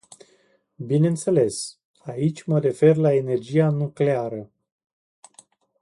Bineînțeles, aici mă refer la energia nucleară.